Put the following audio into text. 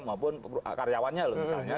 maupun karyawannya misalnya